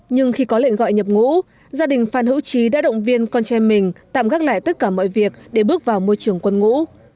nhưng khi có lệnh gọi nhập ngũ gia đình phan hữu trí đã động viên con trai mình tạm gác lại tất cả mọi việc để bước vào môi trường quân ngũ